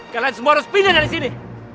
kalian semua harus pindah dari sini